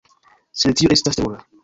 Sed tio estas terura!